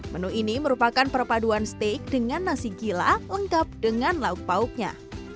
menu ini merupakan perpaduan steak dengan nasi gila lengkap dengan lauk paupnya